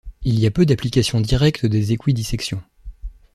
Il y a peu d'applications directes des équidissections.